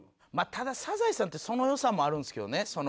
ただ『サザエさん』ってその良さもあるんですけどね